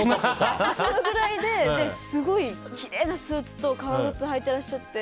それぐらいですごいきれいなスーツと革靴を履いてらっしゃって。